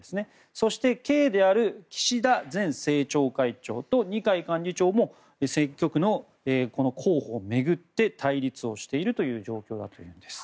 そして、Ｋである岸田前政調会長と二階幹事長も選挙区の候補を巡って対立をしている状況になっているんです。